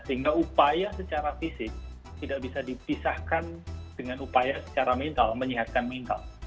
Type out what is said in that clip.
sehingga upaya secara fisik tidak bisa dipisahkan dengan upaya secara mental menyehatkan mental